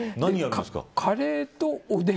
カレーとおでん。